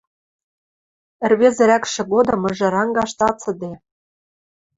Ӹрвезӹрӓкшӹ годым мыжырангаш цацыде.